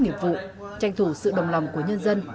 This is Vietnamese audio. nghiệp vụ tranh thủ sự đồng lòng của nhân dân